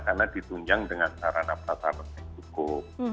karena ditunjang dengan sarana pasaran yang cukup